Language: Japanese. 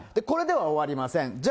これでは終わりません。